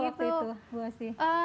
habis sama dulu waktu itu bu asyik